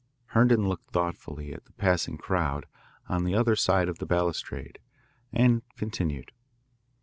Herndon looked thoughtfully at the passing crowd on the other side of the balustrade and continued.